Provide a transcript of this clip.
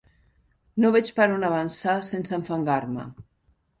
No veig per on avançar sense enfangar-me.